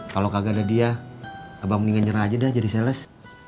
kalau kagak ada dia abang mendingan nyerah aja deh jadi sales